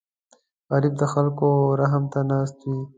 غریب د خلکو رحم ته ناست وي